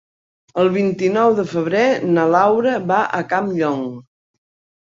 El vint-i-nou de febrer na Laura va a Campllong.